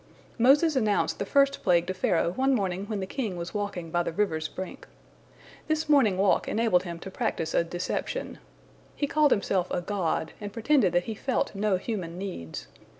Moses announced the first plague to Pharaoh one morning when the king was walking by the river's brink. This morning walk enabled him to practice a deception. He called himself a god, and pretended that he felt no human needs.